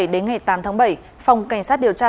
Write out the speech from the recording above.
đến ngày tám tháng bảy phòng cảnh sát điều tra